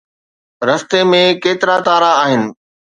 رستي ۾ ڪيترا تارا آهن؟